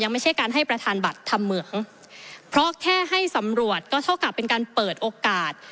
ไม่ใช่การให้ประธานบัตรทำเหมืองเพราะแค่ให้สำรวจก็เท่ากับเป็นการเปิดโอกาส